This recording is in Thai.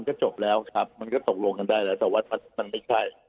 ก็จบแล้วครับมันก็ตกลงกันได้แล้วแต่ว่ามันไม่ใช่